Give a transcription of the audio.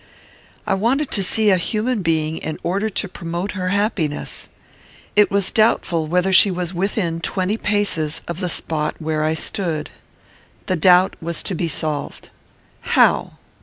I wanted to see a human being, in order to promote her happiness. It was doubtful whether she was within twenty paces of the spot where I stood. The doubt was to be solved. How?